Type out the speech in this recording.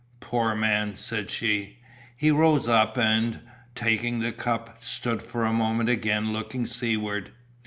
"Poor man," said she. He rose up and, taking the cup, stood for a moment again looking seaward.